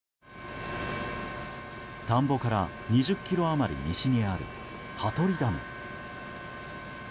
田んぼから２０ｋｍ余り西にある羽鳥ダム。